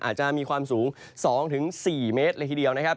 อาจจะมีความสูง๒๔เมตรเลยทีเดียวนะครับ